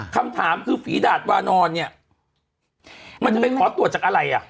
คำถามคือฝีดาดวานอนเนี่ยมันจะไปขอตรวจจากอะไรอ่ะ